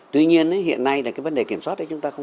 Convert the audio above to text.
tuy nhiên hiện nay vấn đề kiểm soát